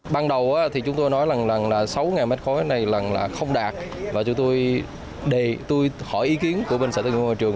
ban đầu chúng tôi nói là sáu m ba này là không đạt và tôi hỏi ý kiến của bên sở tương ương hội trường